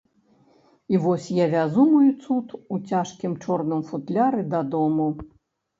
І вось я вязу мой цуд у цяжкім чорным футляры дадому.